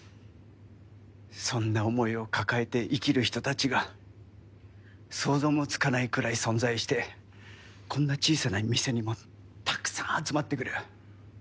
そんな思いを抱えて生きる人たちが想像もつかないくらい存在してこんな小さな店にもたくさん集まってくる。